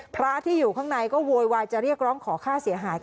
พระที่อยู่ข้างในก็โวยวายจะเรียกร้องขอค่าเสียหาย